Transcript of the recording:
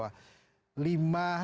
tempat perkampungan nelayan modern